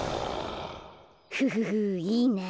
フフフいいなあ。